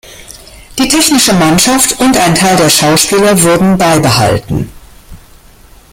Die technische Mannschaft und ein Teil der Schauspieler wurden beibehalten.